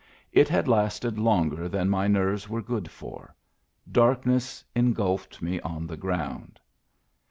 It had lasted longer than my nerves were good for; darkness engulfed me on the ground.